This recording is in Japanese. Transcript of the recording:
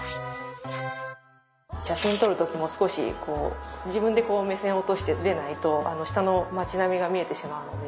写真撮る時も少し自分で目線を落としてでないと下の町並みが見えてしまうので。